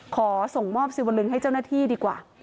ขอส่งมอบสิวลึงให้เจ้าหน้าที่ดีกว่า